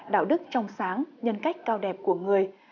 đạo đức trong sáng nhân cách cao đẹp của người